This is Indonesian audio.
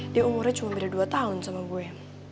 dia umurnya cuma udah dua tahun sama gue